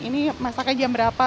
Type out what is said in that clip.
ini masakanya jama berapa